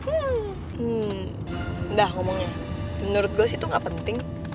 hmm udah ngomongnya menurut gue sih itu gak penting